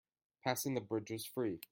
Passing the bridge was free.